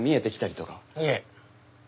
いえ。